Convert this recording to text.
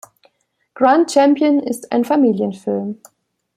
Grand Champion ist ein Familienfilm.